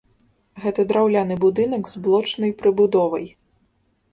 Гэта драўляны будынак з блочнай прыбудовай.